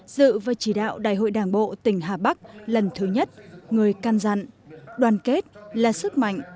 dự và chỉ đạo đại hội đảng bộ tỉnh hà bắc lần thứ nhất người căn dặn đoàn kết là sức mạnh